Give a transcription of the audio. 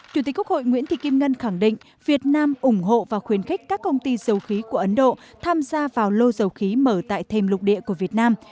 chủ tịch quốc hội nguyễn thị kim ngân khẳng định việt nam ủng hộ và khuyến khích các công ty dầu khí của ấn độ tham gia vào lô dầu khí mở tại thêm lục địa của việt nam